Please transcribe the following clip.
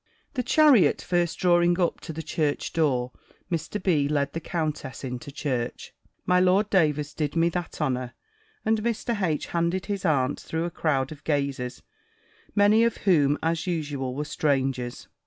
The chariot first drawing up to the church door, Mr. B. led the countess into church. My Lord Davers did me that honour; and Mr. H. handed his aunt through a crowd of gazers, many of whom, as usual, were strangers.